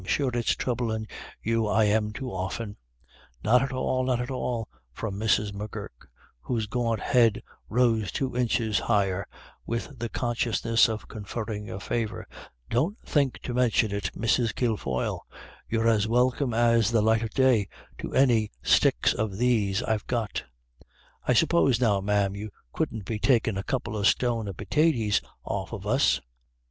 Sure it's troublin' you I am too often." " Not at all, not at all," from Mrs. M'Gurk, whose gaunt head rose two inches higher with the con sciousness of conferring a favour —" don't think to be mentionin' it, Mrs. Kilfoyle ; you're as welcome as the light o* day to any sticks of things I've got" " I suppose now, ma'am, you couldn't be takin* a couple o' stone o' praties off of us